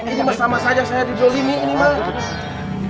ini mah sama aja saya dijolimi ini mah